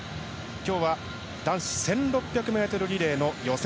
今日は男子１６００ｍリレーの予選。